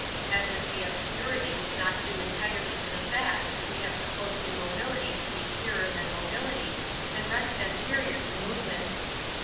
As if the obscurity was not due entirely to the fact that we have supposed immobility to be clearer than mobility and rest anterior to movement!